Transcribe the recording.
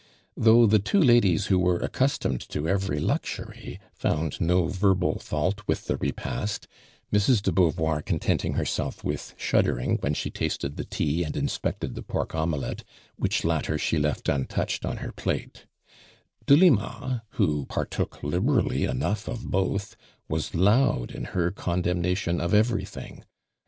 Though tho* two ladies who were accustomed to every luxury, found no verbal fault witli the repast, Mrs, de Beauvoir contenting herself with shuddering when she tasted the tea and inspected the pork omelette, which latter she left untouched on her plate, Delima, who partook liberally enough of both, was loud in her condemnation of everything.